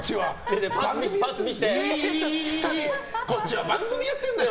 こっちは番組やってるんだよ